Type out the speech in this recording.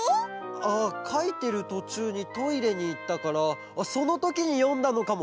ああかいてるとちゅうにトイレにいったからそのときによんだのかも。